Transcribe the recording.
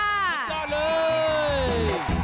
จ้าเลย